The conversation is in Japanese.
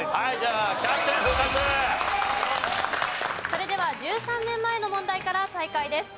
それでは１３年前の問題から再開です。